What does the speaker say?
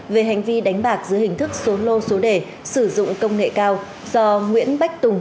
về hành vi đánh bạc giữa hình thức số lô số đề sử dụng công nghệ cao do nguyễn bách tùng